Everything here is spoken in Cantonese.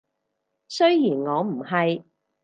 雖然我唔係